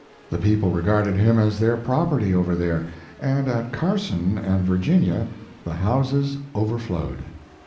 The people regarded him as their property over there, and at Carson and Virginia the houses overflowed.